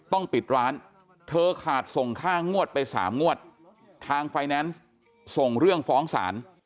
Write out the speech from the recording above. ปิดร้านเธอขาดส่งค่างวดไป๓งวดทางไฟแนนซ์ส่งเรื่องฟ้องศาล